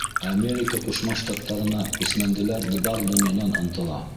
Америка Ҡушма Штаттарына күсмәнделәр бар донъянан ынтыла.